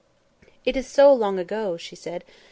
"It is so long ago," she said.